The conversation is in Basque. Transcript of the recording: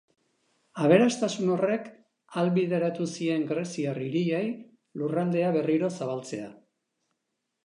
Aberastasun horrek ahalbideratu zien greziar hiriei lurraldea berriro zabaltzea.